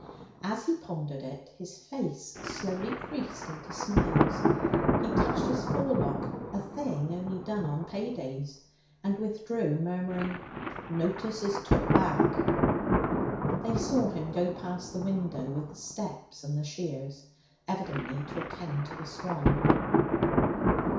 As he pondered it, his face slowly creased into smiles. He touched his forelock a thing only done on pay days and withdrew, murmuring, 'Notice is took back.' They saw him go past the window with the steps and the shears, evidently to attend to the swan.